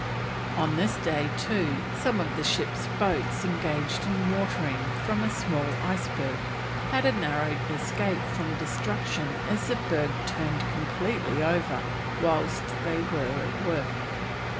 On this day, too, some of the ship's boats engaged in watering from a small iceberg, had a narrow escape from destruction as the berg turned completely over whilst they were at work.